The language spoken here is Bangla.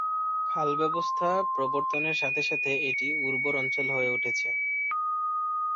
খাল ব্যবস্থা প্রবর্তনের সাথে সাথে এটি উর্বর অঞ্চল হয়ে উঠেছে।